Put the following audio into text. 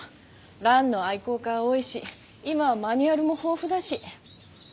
蘭の愛好家は多いし今はマニュアルも豊富だし。